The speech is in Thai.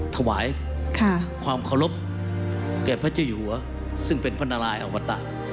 ความหวายความขอรบแก่พระเจ้าอยู่วะซึ่งเป็นพระนารายย์อวัตตะ